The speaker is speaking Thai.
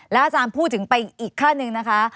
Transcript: อาจารย์พูดถึงไปอีกขั้นหนึ่งนะคะ